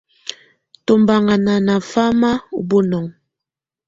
Tɔbanŋa nana famáa ɔ bɔnɔŋɔ.